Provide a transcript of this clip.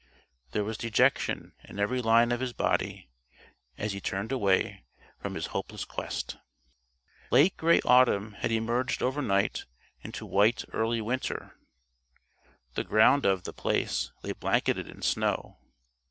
There was dejection in every line of his body as he turned away from his hopeless quest. Late gray autumn had emerged overnight into white early winter. The ground of The Place lay blanketed in snow.